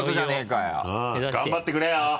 頑張ってくれよ！